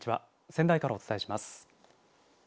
仙台からお伝えします。